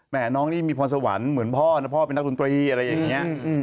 น้องนี่มีพรสวรรค์เหมือนพ่อนะพ่อเป็นนักดนตรีอะไรอย่างนี้